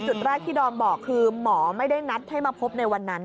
จุดที่ด่อนบอกก็คือหมอไม่ได้นัดมาพบในวันนั้น